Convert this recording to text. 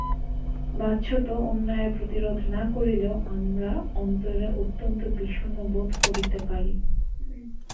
বাহ্যত অন্যায়ের প্রতিরোধ না করিলেও আমরা অন্তরে অত্যন্ত বিষণ্ণ বোধ করিতে পারি।